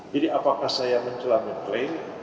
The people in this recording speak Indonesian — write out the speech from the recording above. jadi apakah saya menjelami klaim